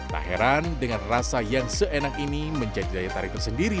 tak heran dengan rasa yang seenak ini menjadi daya tarik tersendiri